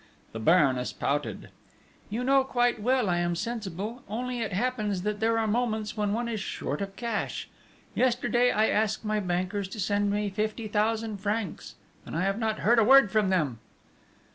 The Baroness pouted: "You know quite well I am sensible ... only it happens that there are moments when one is short of cash! Yesterday I asked my bankers to send me fifty thousand francs, and I have not heard a word from them!"